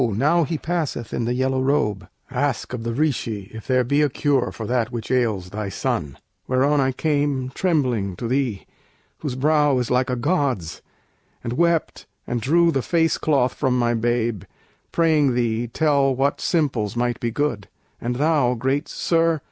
now he passeth in the yellow robe; Ask of the Rishi if there be a cure For that which ails thy son.' Whereon I came Trembling to thee, whose brow is like a god's, And wept and drew the face cloth from my babe, Praying thee tell what simples might be good. And thou, great sir!